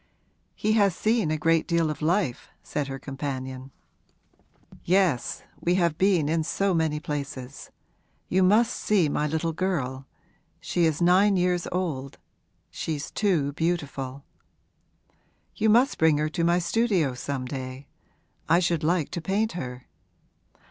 'He has seen a great deal of life,' said her companion. 'Yes, we have been in so many places. You must see my little girl. She is nine years old she's too beautiful.' 'You must bring her to my studio some day I should like to paint her.'